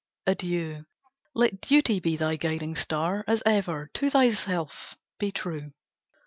Adieu! Let duty be thy guiding star, As ever. To thyself be true!"